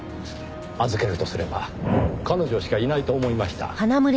預けるとすれば彼女しかいないと思いました。